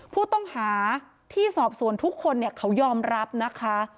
ผู้ต้องหาที่สอบสวนทุกคนเขายอมรับนะคะ